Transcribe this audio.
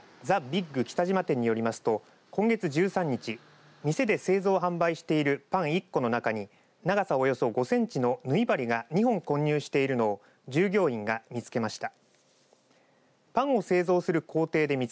・ビッグ北島店によりますと今月１３日店で製造販売しているパン１個の中に長さおよそ５センチの縫い針が２本混入しているのを従業員が見つけました。